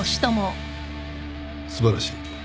素晴らしい。